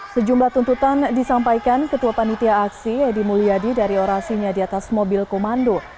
sejumlah tuntutan disampaikan ketua panitia aksi edy mulyadi dari orasinya di atas mobil komando